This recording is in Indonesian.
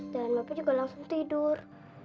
dan bapak juga langsung tidur